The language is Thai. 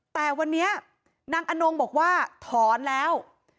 แต่วันนี้นางอนงบอกว่าถอนแล้ว